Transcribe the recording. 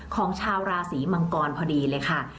ของชาวราศีมังกรพอดีเลยค่ะ